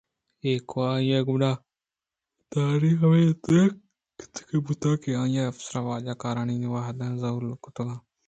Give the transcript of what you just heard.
ایوکءَ آئی ءِ گناہءُردی ہمے درگیجگ بوت کہ آئی ءَ افسر ءُ واجہ کارانی وہد زوال کُتگ